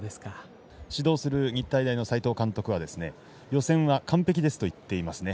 指導する日体大の齋藤監督は予選は完璧ですと言っていますね。